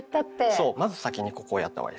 そうまず先にここをやった方がいいです。